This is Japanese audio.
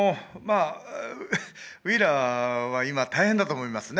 ウィーラーは今大変だと思いますね。